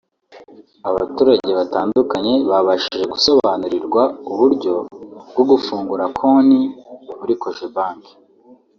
abaturage batandukanye babashije gusobanurirwa uburyo bwo gufunguza konti muri Cogebanque